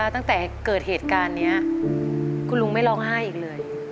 ตั้งแต่เกิดเหตุการณ์นี้คุณลุงไม่ร้องไห้อีกเลย